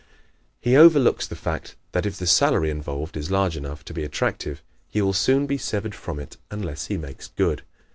_" He overlooks the fact that if the salary involved is large enough to be attractive he will soon be severed from it unless he makes good.